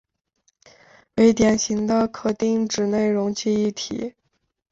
为典型的可定址内容记忆体。